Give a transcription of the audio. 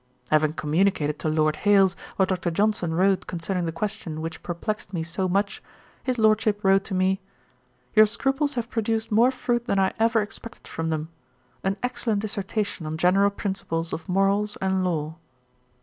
Having communicated to Lord Hailes what Dr. Johnson wrote concerning the question which perplexed me so much, his Lordship wrote to me: 'Your scruples have produced more fruit than I ever expected from them; an excellent dissertation on general principles of morals and law.'